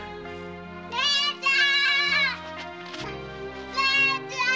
姉ちゃん